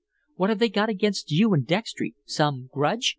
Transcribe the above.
"What've they got against you and Dextry some grudge?"